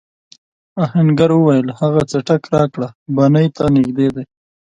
آهنګر وویل هغه څټک راکړه بنۍ ته نږدې دی.